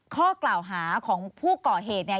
ข้อกล่าวหาของผู้ก่อเหตุเนี่ย